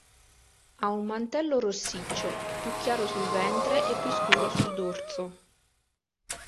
Ha un mantello rossiccio, più chiaro sul ventre e più scuro sul dorso.